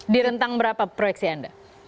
di rentang berapa proyeksi anda